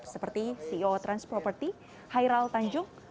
seperti ceo transproperty hairul tanjung